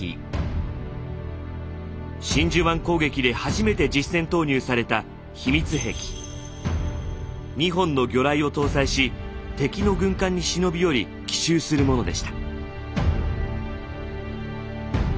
真珠湾攻撃で初めて実戦投入された２本の魚雷を搭載し敵の軍艦に忍び寄り奇襲するものでした。